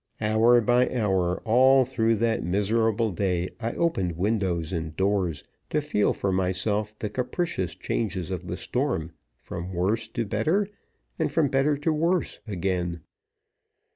Hour by hour, all through that miserable day, I opened doors and windows to feel for myself the capricious changes of the storm from worse to better, and from better to worse again.